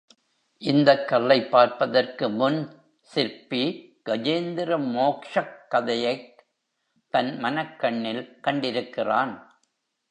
இந்தக் கல்லைப் பார்ப்பதற்கு முன் சிற்பி கஜேந்திர மோக்ஷக் கதையைக் தன் மனக்கண்ணில் கண்டிருக்கிறான்.